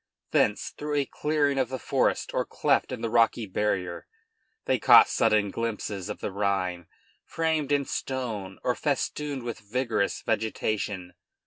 Thence, through a clearing of the forest or cleft in the rocky barrier, they caught sudden glimpses of the Rhine framed in stone or festooned with vigorous vegetation.